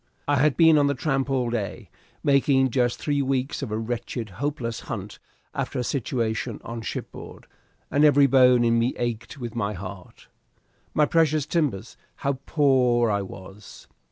I had been on the tramp all day, making just three weeks of a wretched, hopeless hunt after a situation on shipboard, and every bone in me ached with my heart. My precious timbers, how poor I was!